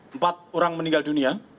empat orang meninggal dunia